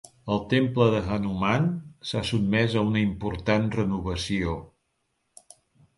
El temple de Hanuman s'ha sotmès a una important renovació.